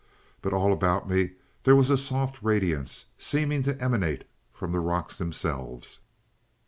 But all about me there was a soft radiance, seeming to emanate from the rocks themselves.